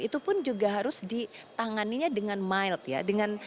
itu pun juga harus ditanganinya dengan mild ya